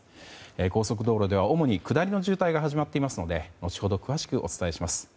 高速道路では主に下りの渋滞が始まっていますので後ほど、詳しくお伝えします。